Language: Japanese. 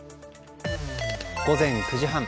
午前９時半。